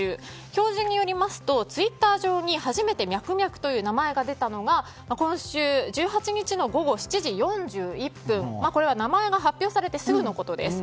教授によりますとツイッター上に初めてミャクミャクという名前が出たのが今週１８日の午後７時４１分これは名前が発表されてすぐのことです。